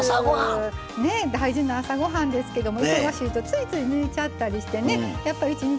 ねえ大事な朝ごはんですけど忙しいとついつい抜いちゃったりしてねやっぱり一日